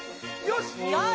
よし！